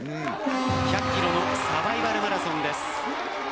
１００キロのサバイバルマラソンです。